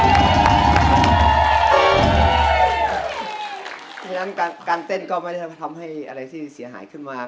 เพราะฉะนั้นการเต้นก็ไม่ได้ทำให้อะไรที่เสียหายขึ้นมา